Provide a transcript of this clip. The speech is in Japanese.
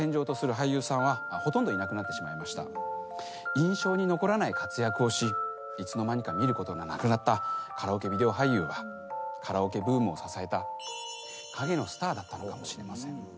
印象に残らない活躍をしいつの間にか見ることがなくなったカラオケビデオ俳優はカラオケブームを支えた陰のスターだったのかもしれません。